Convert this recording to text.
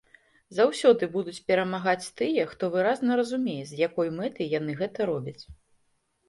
Заўсёды будуць перамагаць тыя, хто выразна разумее, з якой мэтай яны гэта робяць.